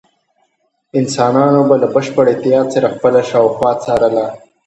انسانانو به له بشپړ احتیاط سره خپله شاوخوا څارله.